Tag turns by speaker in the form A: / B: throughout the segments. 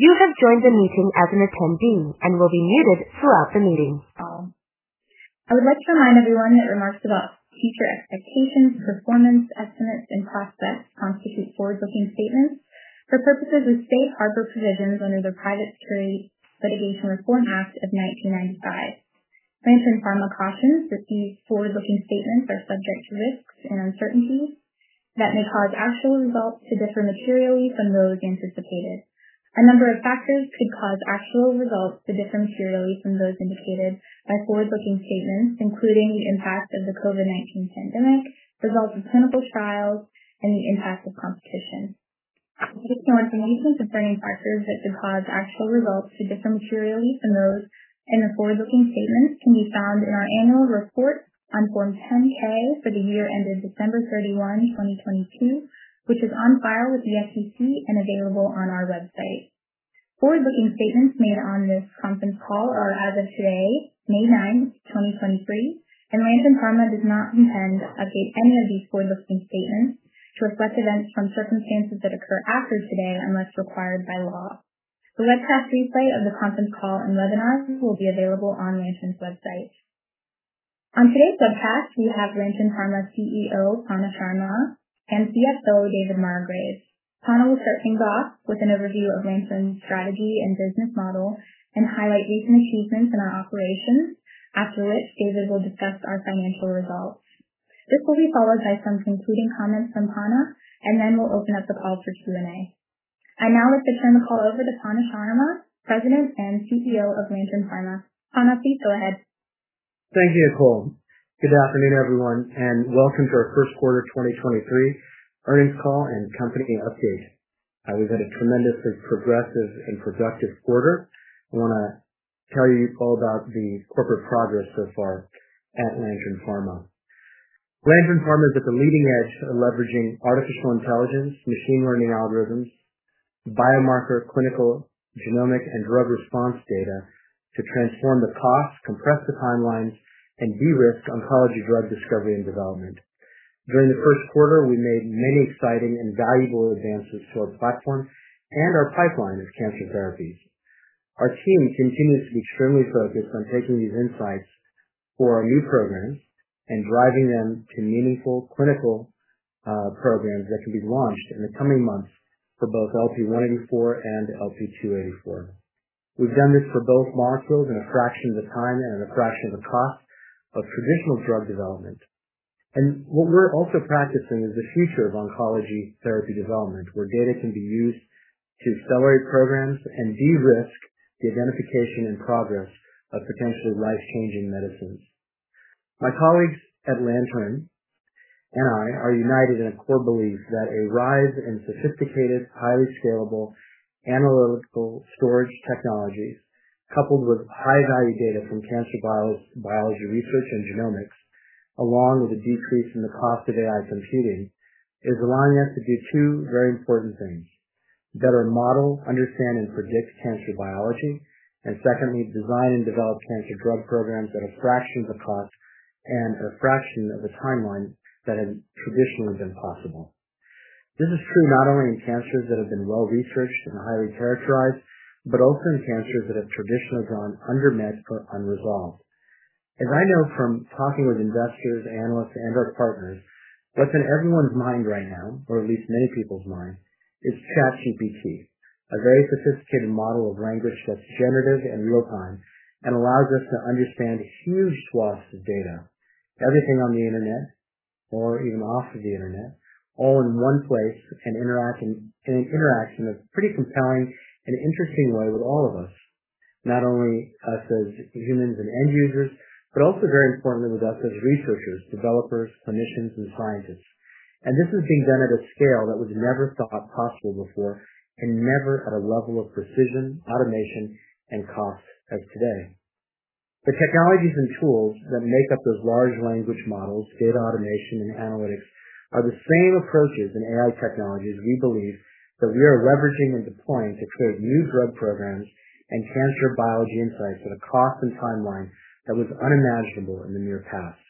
A: You have joined the meeting as an attendee and will be muted throughout the meeting.
B: I would like to remind everyone that remarks about future expectations, performance estimates and prospects constitute forward-looking statements for purposes of safe harbor provisions under the Private Securities Litigation Reform Act of 1995. Lantern Pharma cautions that these forward-looking statements are subject to risks and uncertainties that may cause actual results to differ materially from those anticipated. A number of factors could cause actual results to differ materially from those indicated by forward-looking statements, including the impact of the COVID-19 pandemic, results of clinical trials, and the impact of competition. A description of the significant differing factors that could cause actual results to differ materially from those in the forward-looking statements can be found in our annual report on Form 10-K for the year ended December 31, 2022, which is on file with the SEC and available on our website. Forward-looking statements made on this conference call are as of today, May 9, 2023. Lantern Pharma does not intend to update any of these forward-looking statements to reflect events from circumstances that occur after today, unless required by law. The webcast replay of the conference call and webinar will be available on Lantern's website. On today's webcast, we have Lantern Pharma CEO Panna Sharma and CFO David Margrave. Panna will start things off with an overview of Lantern's strategy and business model and highlight recent achievements in our operations. After which David will discuss our financial results. This will be followed by some concluding comments from Panna. Then we'll open up the call for Q&A. I'd now like to turn the call over to Panna Sharma, President and CEO of Lantern Pharma. Panna, please go ahead.
C: Thank you, Nicole. Good afternoon, everyone, welcome to our first quarter 2023 earnings call and company update. We've had a tremendously progressive and productive quarter. I want to tell you all about the corporate progress so far at Lantern Pharma. Lantern Pharma is at the leading edge of leveraging artificial intelligence, machine learning algorithms, biomarker, clinical, genomic, and drug response data to transform the cost, compress the timelines, and de-risk oncology drug discovery and development. During the first quarter, we made many exciting and valuable advances to our platform and our pipeline of cancer therapies. Our team continues to be extremely focused on taking these insights for our new programs and driving them to meaningful clinical programs that can be launched in the coming months for both LP-184 and LP-284. We've done this for both molecules in a fraction of the time and a fraction of the cost of traditional drug development. What we're also practicing is the future of oncology therapy development, where data can be used to accelerate programs and de-risk the identification and progress of potentially life-changing medicines. My colleagues at Lantern and I are united in a core belief that a rise in sophisticated, highly scalable analytical storage technologies, coupled with high-value data from cancer biology research and genomics, along with a decrease in the cost of AI computing, is allowing us to do two very important things. Better model, understand and predict cancer biology. Secondly, design and develop cancer drug programs at a fraction of the cost and a fraction of the timeline that has traditionally been possible. This is true not only in cancers that have been well-researched and are highly characterized, but also in cancers that have traditionally gone undermed or unresolved. As I know from talking with investors, analysts and our partners, what's in everyone's mind right now, or at least many people's mind, is ChatGPT, a very sophisticated model of language that's generative and real-time and allows us to understand huge swaths of data, everything on the Internet or even off of the Internet, all in one place, and it interacts in a pretty compelling and interesting way with all of us, not only us as humans and end users, but also very importantly with us as researchers, developers, clinicians, and scientists. This is being done at a scale that was never thought possible before and never at a level of precision, automation, and cost as today. The technologies and tools that make up those large language models, data automation and analytics, are the same approaches in AI technologies we believe that we are leveraging and deploying to create new drug programs and cancer biology insights at a cost and timeline that was unimaginable in the near past.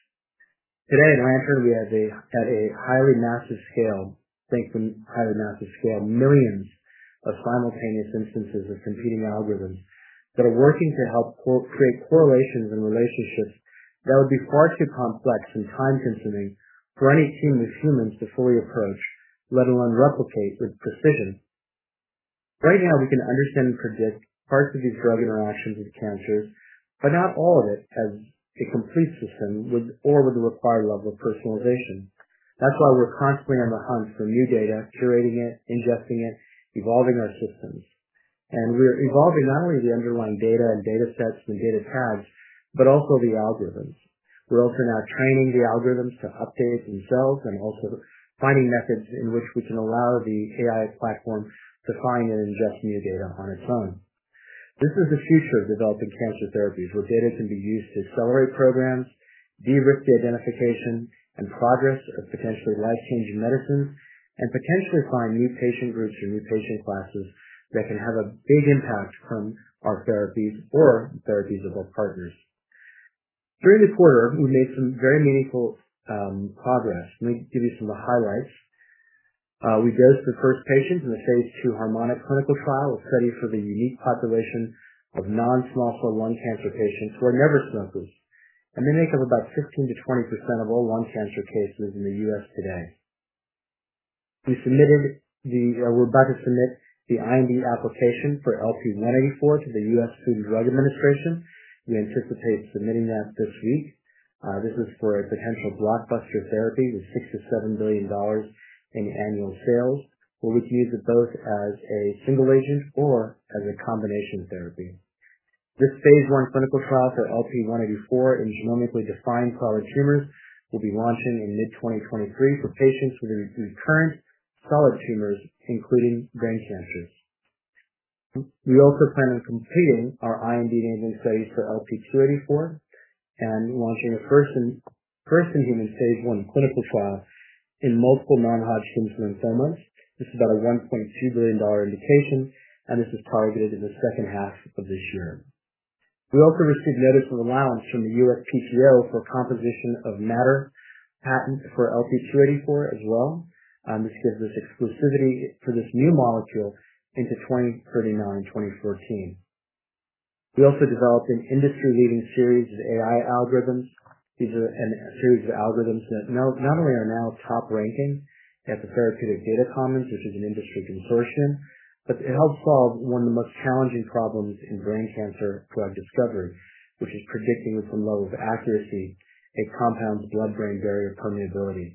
C: Today at Lantern, we have at a highly massive scale, thinking highly massive scale, millions of simultaneous instances of computing algorithms that are working to help create correlations and relationships that would be far too complex and time-consuming for any team of humans to fully approach, let alone replicate with precision. Right now we can understand and predict parts of these drug interactions with cancers, but not all of it as a complete system would or with the required level of personalization. That's why we're constantly on the hunt for new data, curating it, ingesting it, evolving our systems. We're evolving not only the underlying data and datasets and data tags, but also the algorithms. We're also now training the algorithms to update themselves and also finding methods in which we can allow the AI platform to find and ingest new data on its own. This is the future of developing cancer therapies, where data can be used to accelerate programs, de-risk the identification and progress of potentially life-changing medicines, and potentially find new patient groups or new patient classes that can have a big impact from our therapies or the therapies of our partners. During the quarter, we made some very meaningful progress. Let me give you some of the highlights. We dosed the first patients in the phase II Harmonic™ clinical trial, a study for the unique population of non-small cell lung cancer patients who are never smokers. They make up about 15%-20% of all lung cancer cases in the U.S. today. We submitted or we're about to submit the IND application for LP-184 to the US Food and Drug Administration. We anticipate submitting that this week. This is for a potential blockbuster therapy with $6 billion-$7 billion in annual sales. We'll use it both as a single agent or as a combination therapy. This phase 1 clinical trial for LP-184 in genomically defined solid tumors will be launching in mid-2023 for patients with recurrent solid tumors, including brain cancers. We also plan on completing our IND-enabling studies for LP-284 and launching a first-in-human phase I clinical trial in multiple non-Hodgkin's lymphomas. This is about a $1.2 billion indication. This is targeted in the second half of this year. We also received notice of allowance from the USPTO for composition of matter patent for LP-284 as well. This gives us exclusivity for this new molecule into 2039, 2040. We also developed an industry-leading series of AI algorithms. These are a series of algorithms that not only are now top ranking at the Therapeutics Data Commons, which is an industry consortium, but it helps solve one of the most challenging problems in brain cancer drug discovery, which is predicting with some level of accuracy a compound's blood-brain barrier permeability.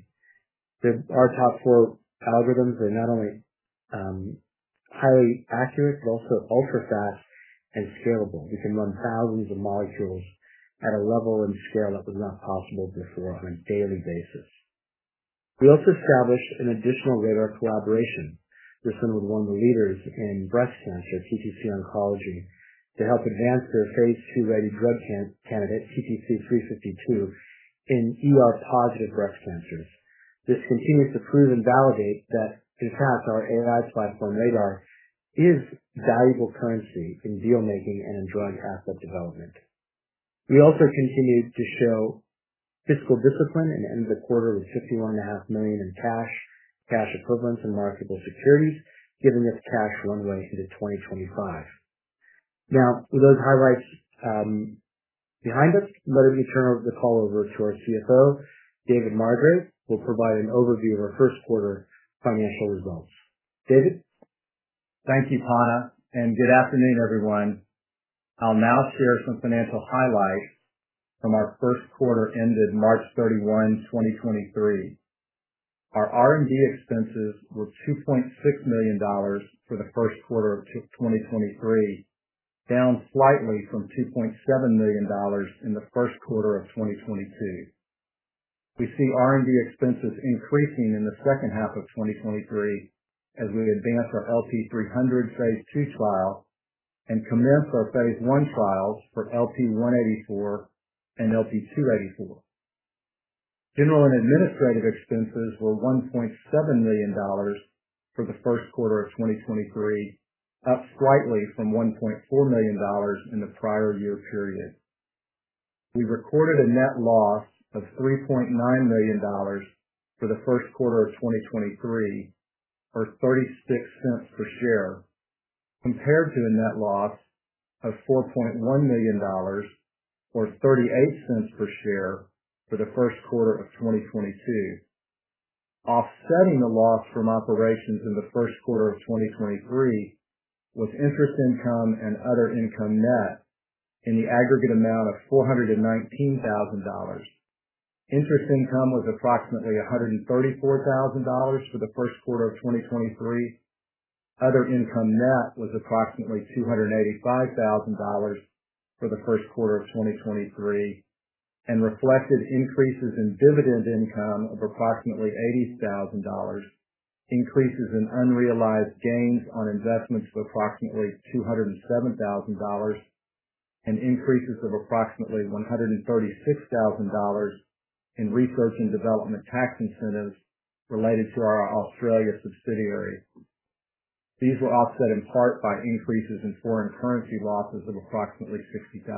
C: Our top four algorithms are not only highly accurate, but also ultra-fast and scalable. We can run thousands of molecules at a level and scale that was not possible before on a daily basis. We also established an additional RADR collaboration with some of the world leaders in breast cancer, TTC Oncology, to help advance their phase II-ready drug candidate, TTC-352, in ER-positive breast cancers. This continues to prove and validate that, in fact, our AI platform, RADR, is valuable currency in deal-making and in drug asset development. We also continued to show fiscal discipline and ended the quarter with $51.5 million in cash equivalents, and marketable securities, giving us cash runway into 2025. With those highlights, behind us, let me turn over the call over to our CFO, David Margrave, who will provide an overview of our first quarter financial results. David.
D: Thank you, Panna, and good afternoon, everyone. I'll now share some financial highlights from our first quarter ended March 31, 2023. Our R&D expenses were $2.6 million for the first quarter of 2023, down slightly from $2.7 million in the first quarter of 2022. We see R&D expenses increasing in the second half of 2023 as we advance our LP-300 phase 2 trial and commence our phase 1 trials for LP-184 and LP-284. General and administrative expenses were $1.7 million for the first quarter of 2023, up slightly from $1.4 million in the prior year period. We recorded a net loss of $3.9 million for the first quarter of 2023, or $0.36 per share, compared to a net loss of $4.1 million or $0.38 per share for the first quarter of 2022. Offsetting the loss from operations in the first quarter of 2023 was interest income and other income net in the aggregate amount of $419,000. Interest income was approximately $134,000 for the first quarter of 2023. Other income net was approximately $285,000 for the first quarter of 2023, and reflected increases in dividend income of approximately $80,000, increases in unrealized gains on investments of approximately $207,000, and increases of approximately $136,000 in research and development tax incentives related to our Australia subsidiary. These were offset in part by increases in foreign currency losses of approximately $60,000.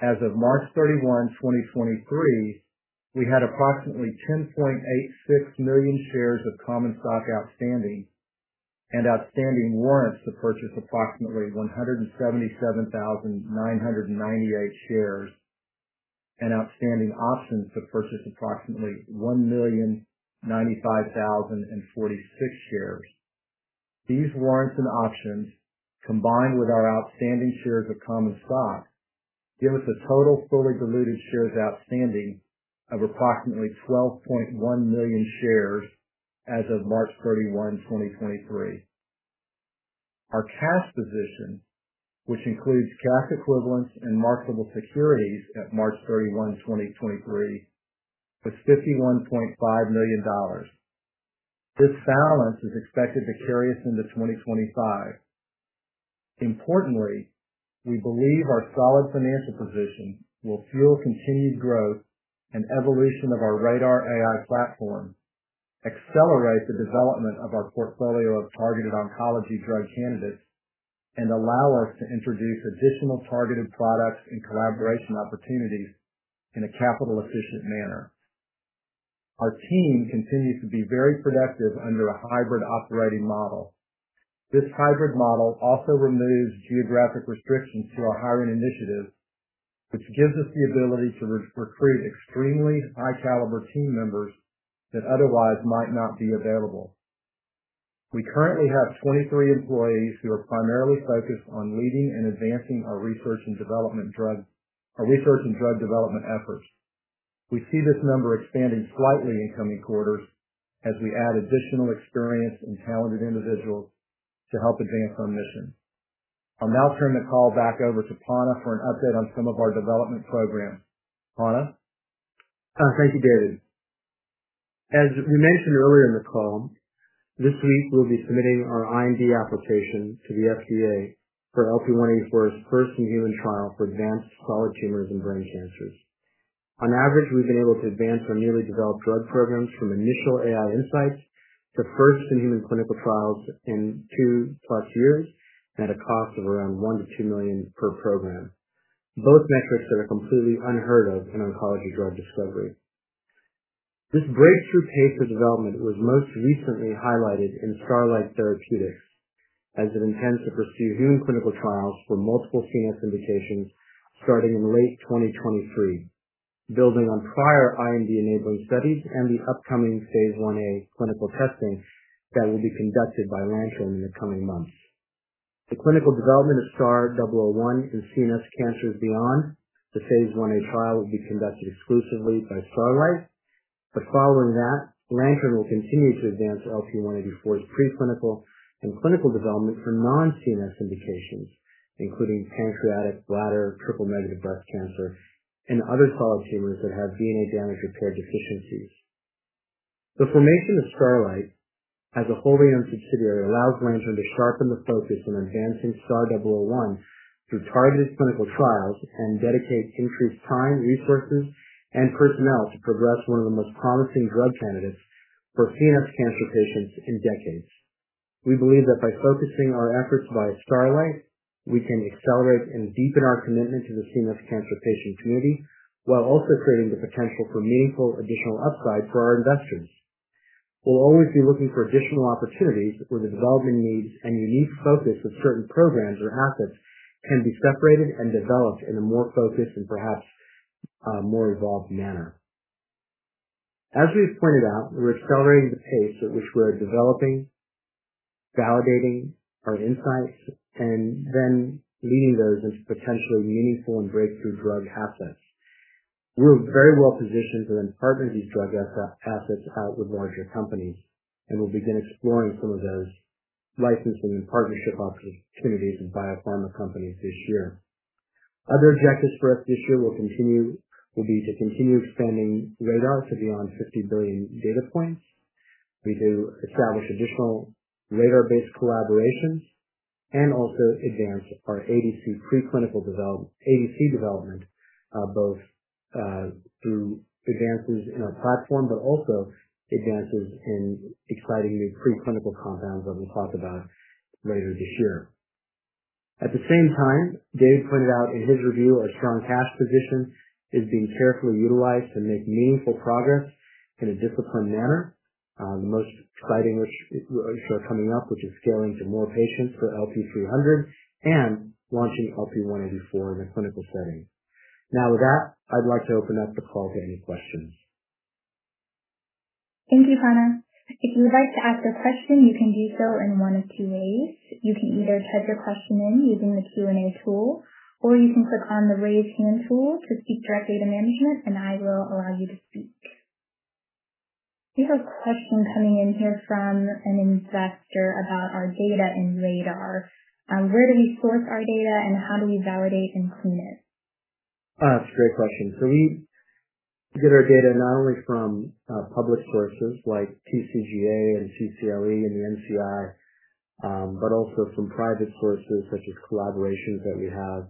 D: As of March 31, 2023, we had approximately 10.86 million shares of common stock outstanding and outstanding warrants to purchase approximately 177,998 shares, and outstanding options to purchase approximately 1,095,046 shares. These warrants and options, combined with our outstanding shares of common stock, give us a total fully diluted shares outstanding of approximately 12.1 million shares as of March 31, 2023. Our cash position, which includes cash equivalents and marketable securities at March 31, 2023, was $51.5 million. This balance is expected to carry us into 2025. Importantly, we believe our solid financial position will fuel continued growth and evolution of our RADR AI platform. Accelerate the development of our portfolio of targeted oncology drug candidates and allow us to introduce additional targeted products and collaboration opportunities in a capital efficient manner. Our team continues to be very productive under a hybrid operating model. This hybrid model also removes geographic restrictions to our hiring initiatives, which gives us the ability to re-recruit extremely high caliber team members that otherwise might not be available. We currently have 23 employees who are primarily focused on leading and advancing our research and drug development efforts. We see this number expanding slightly in coming quarters as we add additional experienced and talented individuals to help advance our mission. I'll now turn the call back over to Panna for an update on some of our development programs. Panna?
C: Thank you, David. As we mentioned earlier in the call, this week we'll be submitting our IND application to the FDA for LP-184's first human trial for advanced solid tumors and brain cancers. On average, we've been able to advance our newly developed drug programs from initial AI insights to first-in-human clinical trials in 2+ years at a cost of around $1 million-$2 million per program. Both metrics that are completely unheard of in oncology drug discovery. This breakthrough pace of development was most recently highlighted in Starlight Therapeutics as it intends to pursue human clinical trials for multiple CNS indications starting in late 2023, building on prior IND enabling studies and the upcoming phase I-A clinical testing that will be conducted by Lantern in the coming months. The clinical development of STAR-001 in CNS cancers beyond the phase I-A trial will be conducted exclusively by Starlight. Following that, Lantern will continue to advance LP-184's pre-clinical and clinical development for non-CNS indications, including pancreatic, bladder, triple-negative breast cancer and other solid tumors that have DNA damage repair deficiencies. The formation of Starlight as a wholly owned subsidiary allows Lantern to sharpen the focus on advancing STAR-001 through targeted clinical trials and dedicate increased time, resources and personnel to progress one of the most promising drug candidates for CNS cancer patients in decades. We believe that by focusing our efforts via Starlight, we can accelerate and deepen our commitment to the CNS cancer patient community while also creating the potential for meaningful additional upside for our investors. We'll always be looking for additional opportunities where the development needs and unique focus of certain programs or assets can be separated and developed in a more focused and perhaps, more evolved manner. As we've pointed out, we're accelerating the pace at which we're developing, validating our insights and then leading those into potentially meaningful and breakthrough drug assets. We're very well positioned to then partner these drug assets out with larger companies, and we'll begin exploring some of those licensing and partnership opportunities with biopharma companies this year. Other objectives for us this year will be to continue expanding RADR to beyond 50 billion data points. We do establish additional RADR-based collaborations and also advance our ADC pre-clinical ADC development, both through advances in our platform, but also advances in exciting new pre-clinical compounds that we'll talk about later this year. At the same time, Dave pointed out in his review, our strong cash position is being carefully utilized to make meaningful progress in a disciplined manner. The most exciting which are coming up, which is scaling to more patients for LP-300 and launching LP-184 in a clinical setting. With that, I'd like to open up the call to any questions.
B: Thank you, Panna. If you would like to ask a question, you can do so in one of two ways. You can either type your question in using the Q&A tool, or you can click on the Raise Hand tool to speak directly to management. I will allow you to speak. We have a question coming in here from an investor about our data and RADR. Where do we source our data and how do we validate and clean it?
C: That's a great question. We get our data not only from public sources like TCGA and CCLE and the NCI, but also from private sources such as collaborations that we have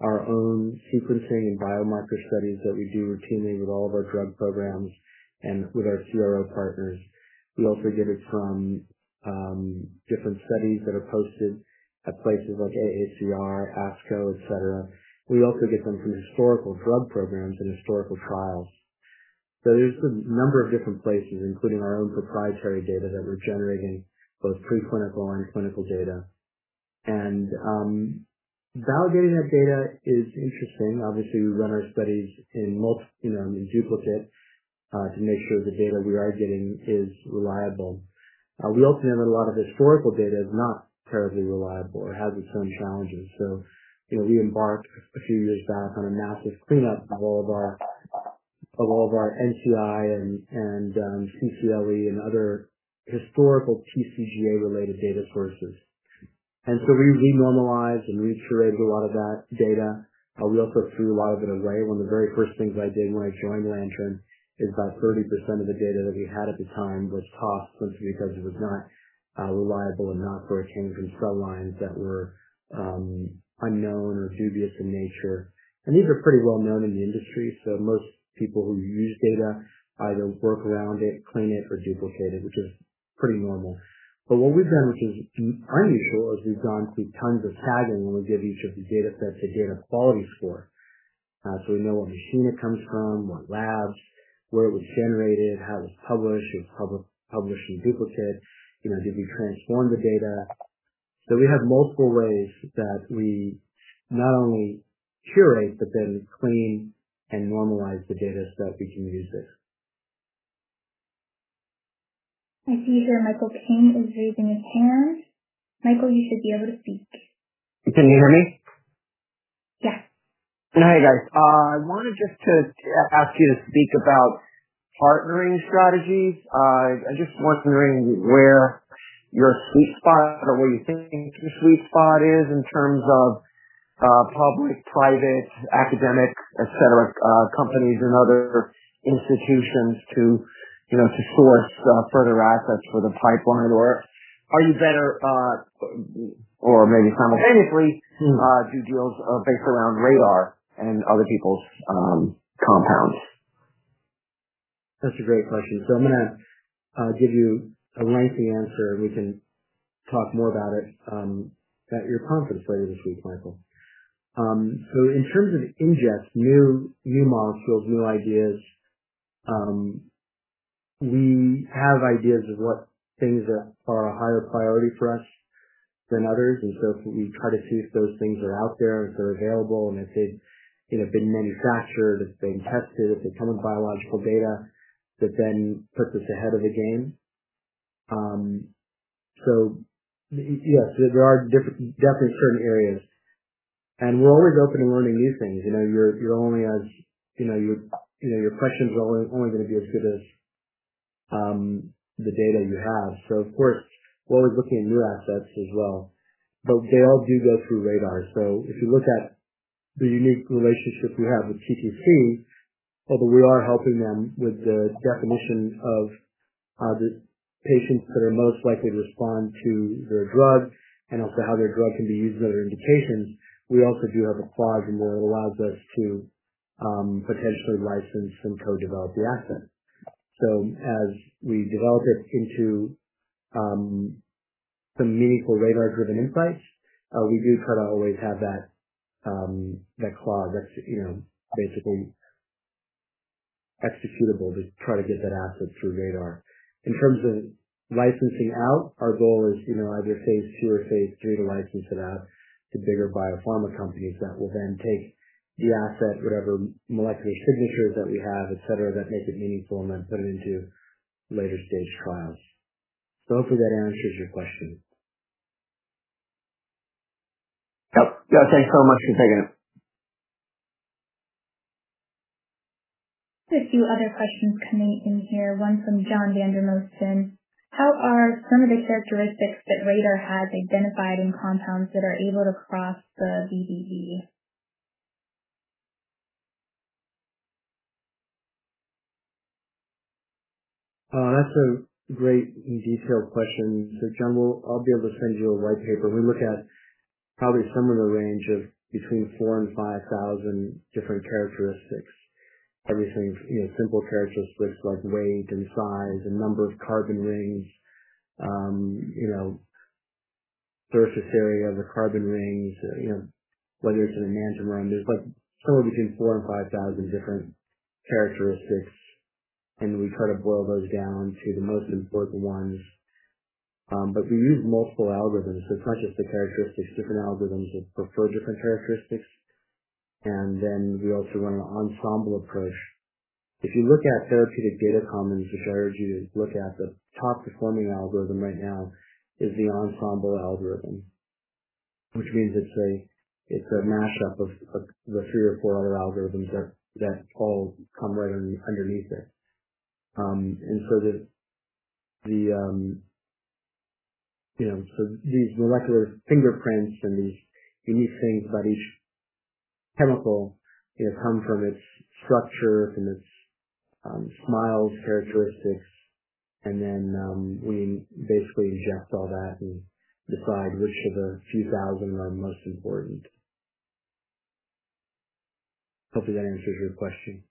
C: our own sequencing and biomarker studies that we do routinely with all of our drug programs and with our CRO partners. We also get it from different studies that are posted at places like AACR, ASCO, et cetera. We also get them from historical drug programs and historical trials. There's a number of different places, including our own proprietary data that we're generating, both pre-clinical and clinical data. Validating that data is interesting. Obviously, we run our studies, you know, in duplicate, to make sure the data we are getting is reliable. We also know that a lot of historical data is not terribly reliable or has its own challenges. You know, we embarked a few years back on a massive cleanup of all of our NCI and CCLE and other historical TCGA related data sources. We normalized and curated a lot of that data. We also threw a lot of it away. One of the very first things I did when I joined Lantern is about 30% of the data that we had at the time was tossed simply because it was not reliable and not for a change in cell lines that were unknown or dubious in nature. These are pretty well known in the industry. Most people who use data either work around it, clean it, or duplicate it, which is pretty normal. What we've done, which is unusual, is we've gone through tons of tagging, and we give each of the data sets a data quality score. We know what machine it comes from, what labs, where it was generated, how it was published. It was published and duplicated. You know, did we transform the data? We have multiple ways that we not only curate, but then clean and normalize the data so that we can use this.
B: I see here Michael King is raising his hand. Michael, you should be able to speak.
E: Can you hear me?
B: Yes.
E: Hi, guys. I wanted just to ask you to speak about partnering strategies. I just was wondering where your sweet spot or where you think your sweet spot is in terms of public, private, academic, etc., companies and other institutions to, you know, to source further assets for the pipeline. Are you better, or maybe chronologically, do deals based around RADR and other people's compounds?
C: That's a great question. I'm gonna give you a lengthy answer, and we can talk more about it at your conference later this week, Michael. In terms of ingest, new molecules, new ideas, we have ideas of what things are a higher priority for us than others. We try to see if those things are out there, if they're available, and if they've, you know, been manufactured, if they've been tested, if they come with biological data that then puts us ahead of the game. Yes, there are definitely certain areas. We're always open to learning new things. You know, you're only as, you know, your questions are only gonna be as good as the data you have. Of course, we're always looking at new assets as well, but they all do go through RADR. If you look at the unique relationship we have with TTC, although we are helping them with the definition of the patients that are most likely to respond to their drug and also how their drug can be used in other indications, we also do have a clause in there that allows us to potentially license and co-develop the asset. As we develop it into some meaningful RADR-driven insights, we do try to always have that clause that's, you know, basically executable to try to get that asset through RADR. In terms of licensing out, our goal is, you know, either phase two or phase three to license it out to bigger biopharma companies that will then take the asset, whatever molecular signatures that we have, et cetera, that make it meaningful and then put it into later stage trials. Hopefully that answers your question.
E: Yep. Yeah, thanks so much for taking it.
B: A few other questions coming in here, one from John Vandermosten. How are some of the characteristics that RADR has identified in compounds that are able to cross the BBB?
C: That's a great and detailed question. John, I'll be able to send you a white paper. We look at probably somewhere in the range of between 4,000 and 5,000 different characteristics. Everything, you know, simple characteristics like weight and size and number of carbon rings. You know, surface area of the carbon rings. You know, whether it's an enantiomer. There's like somewhere between 4,000 and 5,000 different characteristics, and we try to boil those down to the most important ones. We use multiple algorithms. It's not just the characteristics. Different algorithms will prefer different characteristics. Then we also run an ensemble approach. If you look at Therapeutics Data Commons, which I urge you to look at, the top performing algorithm right now is the ensemble algorithm, which means it's a mashup of the three or four other algorithms that all come right underneath it. You know, so these molecular fingerprints and these unique things about each chemical, you know, come from its structure, from its SMILES characteristics. Then we basically ingest all that and decide which of the few thousand are most important. Hopefully that answers your question.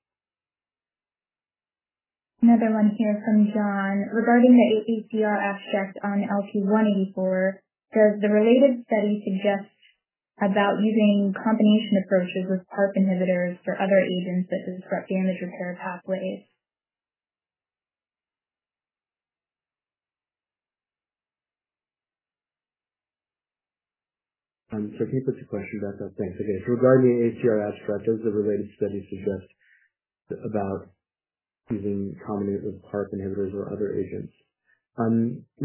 B: Another one here from John. Regarding the APR aspect on LP-184, does the related study suggest about using combination approaches with PARP inhibitors or other agents that disrupt DNA repair pathways?
C: Can you repeat the question, Betha? Thanks. Okay. Regarding the APR aspect, does the related study suggest about using combination with PARP inhibitors or other agents?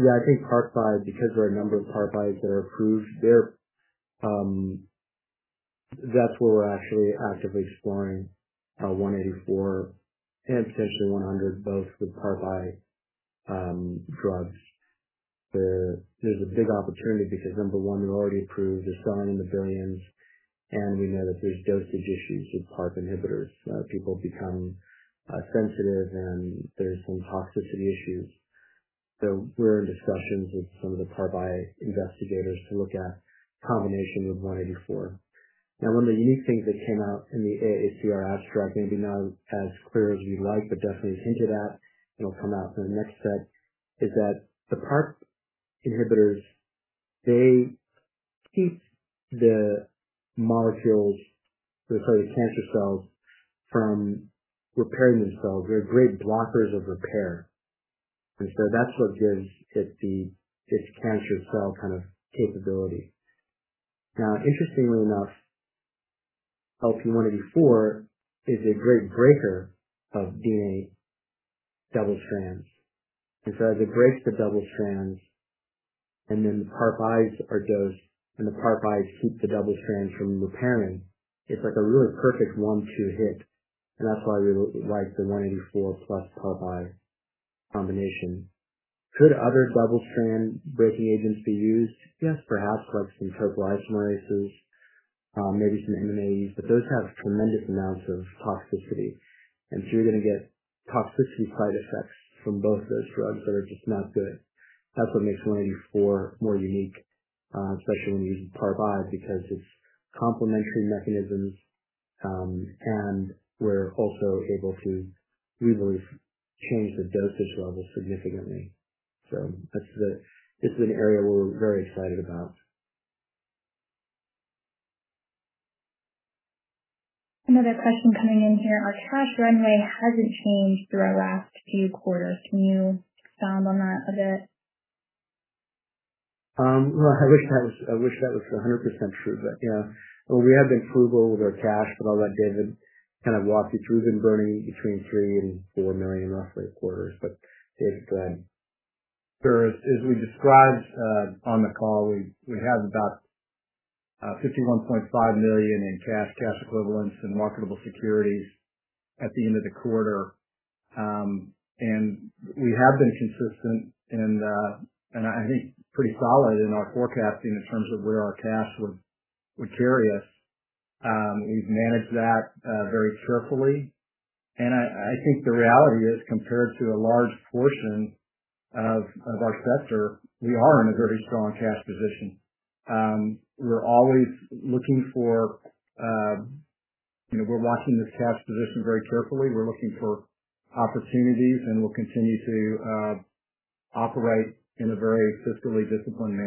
C: Yeah, I think PARPis, because there are a number of PARPis that are approved, they're. That's where we're actually actively exploring 184 and potentially 100, both with PARPi drugs. There's a big opportunity because number one, they're already approved. They're selling in the billions, and we know that there's dosage issues with PARP inhibitors. People become sensitive, and there's some toxicity issues. We're in discussions with some of the PARPi investigators to look at combination with 184. One of the unique things that came out in the AACR abstract, maybe not as clear as you'd like, but definitely hinted at, it'll come out in the next set, is that the PARP inhibitors, they keep the molecules inside the cancer cells from repairing themselves. They're great blockers of repair. That's what gives it the, its cancer cell kind of capability. Interestingly enough, LP-184 is a great breaker of DNA double-strand breaks. As it breaks the double strands and then the PARPis are dosed and the PARPis keep the double strands from repairing, it's like a really perfect one-two hit. That's why we like the 184 plus PARPi combination. Could other double strand breaking agents be used? Yes, perhaps, like some topoisomerases, maybe some MNAs, those have tremendous amounts of toxicity. You're gonna get toxicity side effects from both those drugs that are just not good. That's what makes 184 more unique, especially when you use PARPi, because it's complementary mechanisms, we're also able to really change the dosage level significantly. This is an area we're very excited about.
B: Another question coming in here. Our cash runway hasn't changed through our last few quarters. Can you expound on that a bit?
C: Well, I wish that was 100% true, yeah. Well, we have been frugal with our cash, I'll let David kind of walk you through. We've been burning between $3 million and $4 million roughly quarters, David.
D: Sure. As we described on the call, we had about $51.5 million in cash equivalents in marketable securities at the end of the quarter. We have been consistent and I think pretty solid in our forecasting in terms of where our cash would carry us. We've managed that very carefully. I think the reality is, compared to a large portion of our sector, we are in a very strong cash position. We're always looking for, you know, we're watching this cash position very carefully. We're looking for opportunities, and we'll continue to operate in a very fiscally disciplined manner.